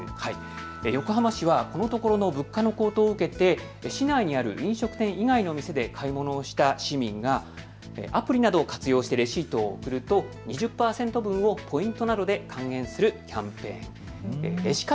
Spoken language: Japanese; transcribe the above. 横浜市はこのところの物価の高騰を受けて市内にある飲食店以外の店で買い物をした市民がアプリなどを活用してレシートを送ると２０％分をポイントなどで還元するキャンペーン、レシ活